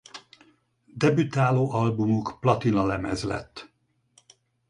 Debütáló albumuk platinalemez lett.